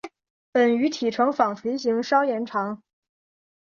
本鱼体成纺锤型稍延长。